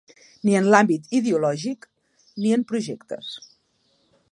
Ni en l’àmbit ideològic ni en projectes.